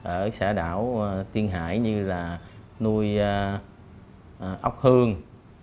ở xã đảo tiên hải như nuôi ốc hương